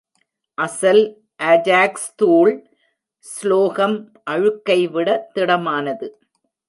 அசல் அஜாக்ஸ் தூள் ஸ்லோகம் அழுக்கைவிட திடமானது.